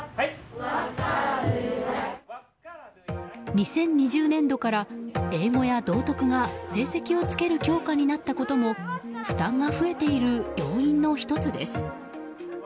２０２０年度から英語や道徳が成績をつける教科になったことも負担が増えている要因の１つです。